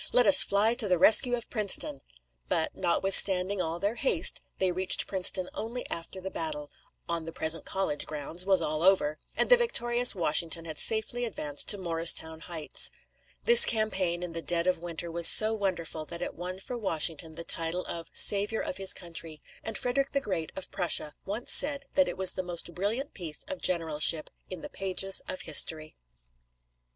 Let us fly to the rescue of Princeton!" But, notwithstanding all their haste, they reached Princeton only after the battle on the present college grounds was all over, and the victorious Washington had safely advanced to Mor´ris town Heights. This campaign, in the dead of winter, was so wonderful that it won for Washington the title of "Savior of his Country," and Frederick the Great of Prussia once said that it was the most brilliant piece of generalship in the pages of history.